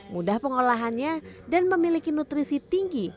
mudah pengolahannya dan memiliki nutrisi tinggi